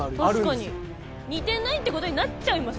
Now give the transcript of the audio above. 確かに「似てない」ってことになっちゃいます